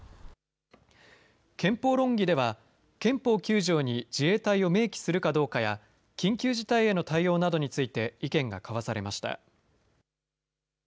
憲法論議では、憲法９条に自衛隊を明記するかどうかや、緊急事態への対応などについて意見が交わされました。